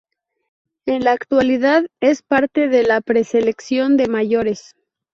En la actualidad es parte de la pre-selección de mayores.